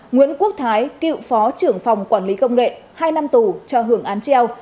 nguyễn quốc thái cựu phó trưởng phòng quản lý công nghệ hai năm tù cho hưởng án treo